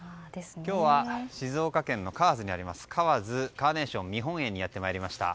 今日は静岡県の河津にありますかわづカーネーション見本園にやってまいりました。